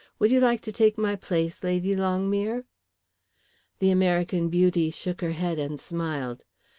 Would you like to take my place, Lady Longmere?" The American beauty shook her head and smiled.